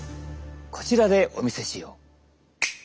こちらでお見せしよう！